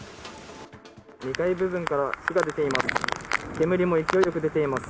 ２階部分から火が出ています。